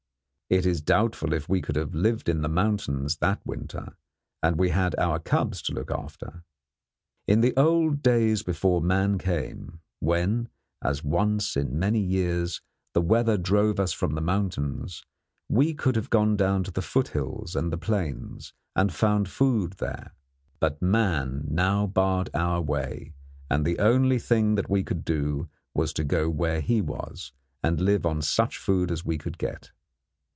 It is doubtful if we could have lived in the mountains that winter, and we had our cubs to look after. In the old days before man came, when, as once in many years, the weather drove us from the mountains, we could have gone down to the foot hills and the plains, and found food there; but man now barred our way, and the only thing that we could do was to go where he was, and live on such food as we could get.